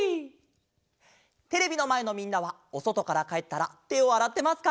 テレビのまえのみんなはおそとからかえったらてをあらってますか？